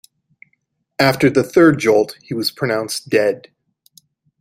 After the third jolt, he was pronounced dead.